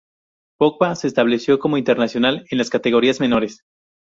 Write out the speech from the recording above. Pogba se estableció como internacional en las categorías menores.